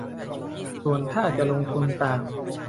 ส่วนถ้าจะลงทุนต่าง